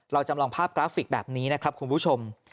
จำลองภาพกราฟิกแบบนี้นะครับคุณผู้ชม